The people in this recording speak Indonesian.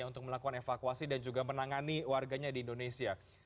untuk melakukan evakuasi dan juga menangani warganya di indonesia